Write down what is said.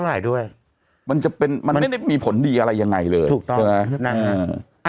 ด้วยมันจะเป็นมันไม่ได้มีผลดีอะไรยังไงเลยถูกต้องใช่ไหม